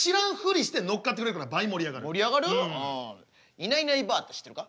いないいないばあって知ってるか？